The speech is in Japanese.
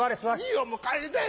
いいよもう帰りたい。